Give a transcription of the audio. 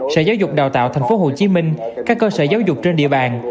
sở giáo dục đào tạo tp hcm các cơ sở giáo dục trên địa bàn